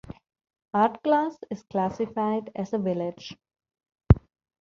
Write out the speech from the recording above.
Ardglass is classified as a village.